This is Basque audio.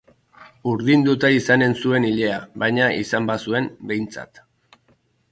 Urdinduta izanen zuen ilea, baina izan bazuen, behintzat.